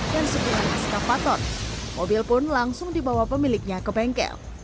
dan segera naskah paton mobil pun langsung dibawa pemiliknya ke bengkel